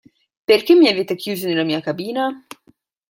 Perché mi avete chiuso nella mia cabina?